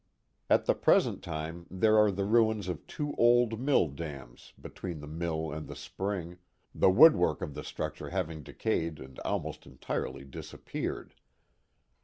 At the present time there are the ruins of two old mill dams between the mill and the spring, the woodwork of the structure having decayed and almost entirely disappeared.